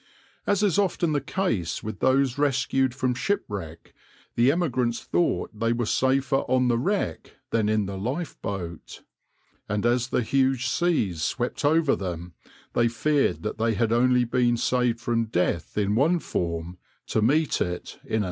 As is often the case with those rescued from shipwreck, the emigrants thought they were safer on the wreck than in the lifeboat, and as the huge seas swept over them, they feared that they had only been saved from death in one form to meet it in another.